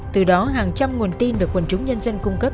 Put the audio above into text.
từ đó hàng trăm nguồn tin được quần chúng nhân dân cung cấp